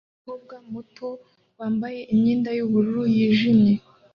Umukobwa muto wambaye imyenda yubururu nijimye